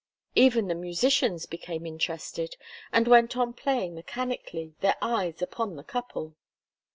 Even the musicians became interested, and went on playing mechanically, their eyes upon the couple.